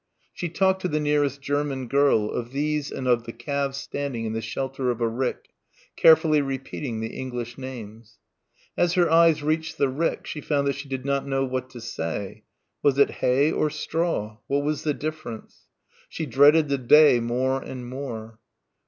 She talked to the nearest German girl, of these and of the calves standing in the shelter of a rick, carefully repeating the English names. As her eyes reached the rick she found that she did not know what to say. Was it hay or straw? What was the difference? She dreaded the day more and more.